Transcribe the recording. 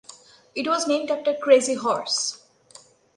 It was named after Crazy Horse.